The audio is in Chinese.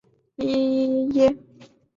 雷南人口变化图示